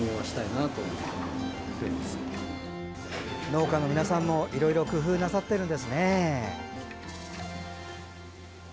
農家の皆さんもいろいろ工夫なさっているんですね。